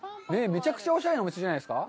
めちゃくちゃおしゃれなお店じゃないですか。